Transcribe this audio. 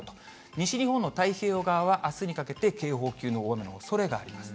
西日本の太平洋側はあすにかけて警報級の大雨のおそれがあります。